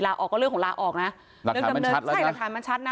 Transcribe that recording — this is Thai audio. ลาออกก็เรื่องของลาออกนะหลักฐานมันชัดนะ